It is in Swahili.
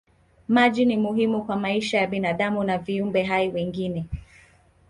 Maji ni muhimu kwa maisha ya binadamu na viumbe hai wengine.